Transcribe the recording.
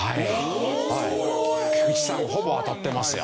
菊池さんほぼ当たってますよ。